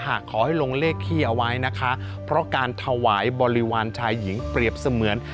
ขอให้ลงเลขที่เอาไว้นะคะเพราะการถวายบริวารชายหญิงเปรียบเสมือน